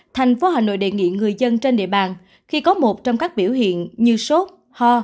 thành phố hà nội đề nghị người dân trên địa bàn khi có một trong các biểu hiện như sốt ho